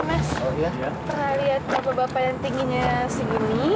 pernah lihat bapak bapak yang tingginya segini